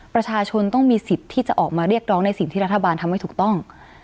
ประชาชนต้องมีสิทธิ์ที่จะออกมาเรียกร้องในสิ่งที่รัฐบาลทำให้ถูกต้อง